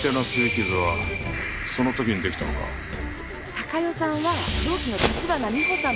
貴代さんは同期の立花美穂さん